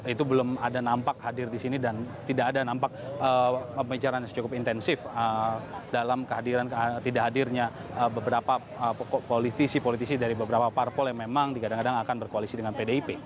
itu belum ada nampak hadir di sini dan tidak ada nampak pembicaraan yang cukup intensif dalam tidak hadirnya beberapa politisi politisi dari beberapa parpol yang memang digadang gadang akan berkoalisi dengan pdip